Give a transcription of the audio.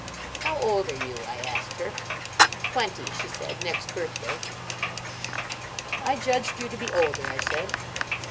"How old are you?" I asked her. "Twenty," she answered, "next birthday." "I judged you to be older," I said.